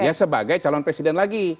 dia sebagai calon presiden lagi